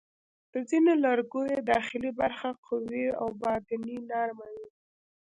د ځینو لرګیو داخلي برخه قوي او باندنۍ نرمه وي.